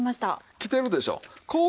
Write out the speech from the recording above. きてるでしょう。